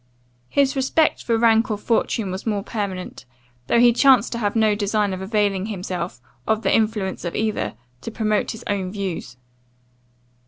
His respect for rank or fortune was more permanent, though he chanced to have no design of availing himself of the influence of either to promote his own views.